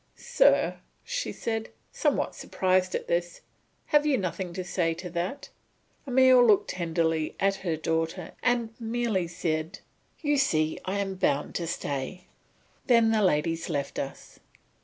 "Sir," she said, somewhat surprised at this, "have you nothing to say to that?" Emile looked tenderly at her daughter and merely said, "You see I am bound to stay." Then the ladies left us.